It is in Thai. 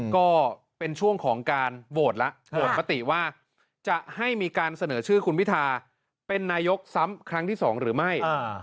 ก็เป็นช่วงของการโหวตแล้วโหวตมติว่าจะให้มีการเสนอชื่อคุณพิทาเป็นนายกซ้ำครั้งที่๒หรือไม่